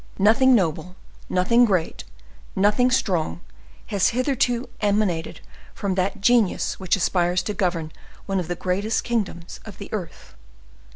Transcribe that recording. Nothing noble, nothing great, nothing strong has hitherto emanated from that genius which aspires to govern one of the greatest kingdoms of the earth.